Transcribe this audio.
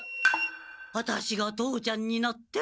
アタシが父ちゃんになって。